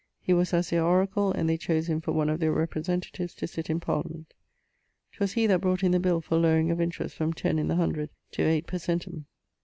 He was as their oracle and they chose him for one of their representatives to sitt in Parliament. 'Twas he that brought in the for lowering of interest from ten in the hundred to eight per centum.